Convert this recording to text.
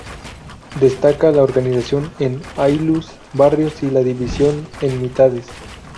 Destaca la organización en ayllus, barrios y la división en mitades.